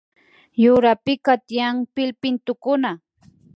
Yurapika tiyan pillpintukuna